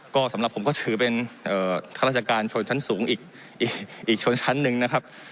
ก็สำหรับผมก็ถือเป็นข้าราชการชนชั้นสูงอีกชนชั้นหนึ่งนะครับ